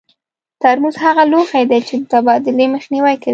ترموز هغه لوښي دي چې د تبادلې مخنیوی کوي.